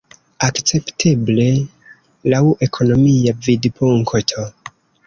Akcepteble, laŭ ekonomia vidpunkto.